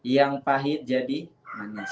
yang pahit jadi manis